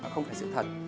không phải sự thật